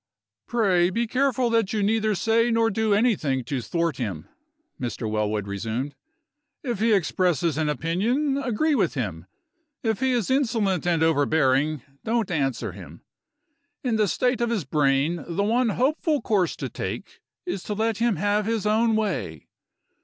"Pray be careful that you neither say nor do anything to thwart him," Mr. Wellwood resumed. "If he expresses an opinion, agree with him. If he is insolent and overbearing, don't answer him. In the state of his brain, the one hopeful course to take is to let him have his own way.